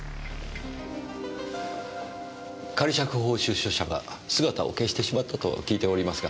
仮釈放出所者が姿を消してしまったと聞いておりますが。